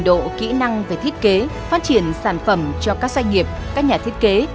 trình độ kỹ năng về thiết kế phát triển sản phẩm cho các doanh nghiệp các nhà thiết kế